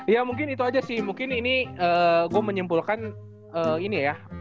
ya mungkin itu aja sih mungkin ini gue menyimpulkan ini ya